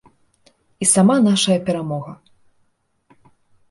І сама нашая перамога.